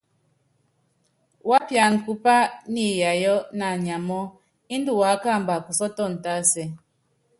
Wuápiana kupá niiyayɔ naanyamɔ́ índɛ wuákamba kusɔ́tɔn tásɛ.